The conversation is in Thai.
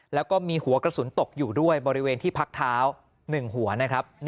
แล้วก็มีหัวกระสุนตกอยู่ด้วยบริเวณที่พักเท้า๑หัวนะครับ